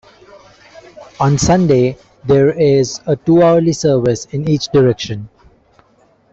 On Sunday, there is a two-hourly service in each direction.